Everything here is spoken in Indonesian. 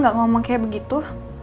kalau al gak ngomong kayak begitu